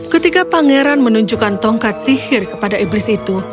ketika pangeran menunjukkan tongkat sihir kepada iblis itu